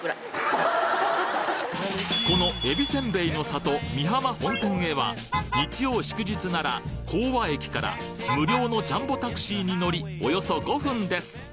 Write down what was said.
このえびせんべいの里美浜本店へは日曜・祝日なら河和駅から無料のジャンボタクシーに乗りおよそ５分です